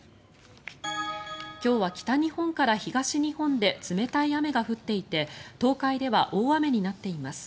今日は北日本から東日本で冷たい雨が降っていて東海では大雨になっています。